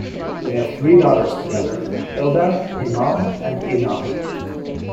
They have three daughters together: Ilda, Iman and Inam.